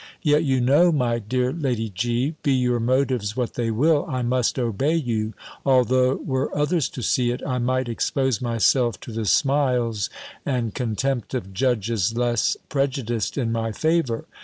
Yet you know, my dear Lady G., be your motives what they will, I must obey you, although, were others to see it, I might expose myself to the smiles and contempt of judges less prejudiced in my favour.